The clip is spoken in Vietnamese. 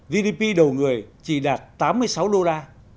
gdp đầu người chỉ đạt tám mươi sáu usd